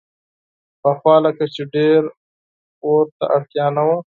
پخوا لکه چې ډېر اور ته اړتیا نه وه.